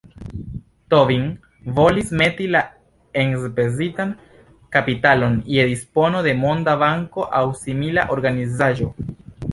Tobin volis meti la enspezitan kapitalon je dispono de Monda Banko aŭ simila organizaĵo.